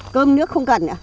cơm nước không cần nữa